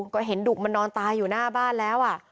ก็เห็นดุกมันนอนตายอยู่หน้าบ้านแล้ว